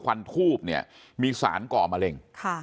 วันทูบเนี่ยมีสารก่อมะเร็ง